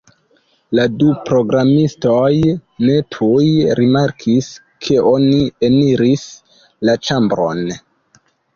La du programistoj ne tuj rimarkis, ke oni eniris la ĉambron.